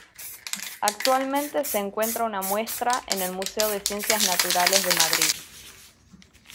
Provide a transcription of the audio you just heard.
Actualmente se encuentra una muestra en el Museo de Ciencias Naturales de Madrid.